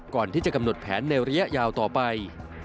ก่อนที่จะกำหนดแผนในระยะยาวต่อไป